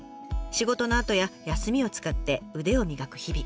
仕事のあとや休みを使って腕を磨く日々。